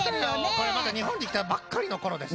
これまだ日本に来たばっかりのころです。